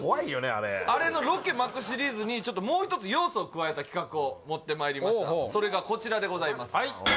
あれあれのロケ撒くシリーズにもう一つ要素を加えた企画を持ってまいりましたそれがこちらでございます